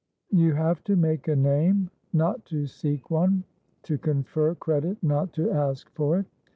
You have to make a name, not to seek one; to confer credit, not to ask for it.